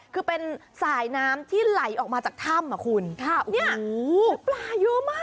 คือเป็นสายน้ำที่ไหลออกมาจากถ้ำอ่ะคุณค่ะเนี่ยปลาเยอะมาก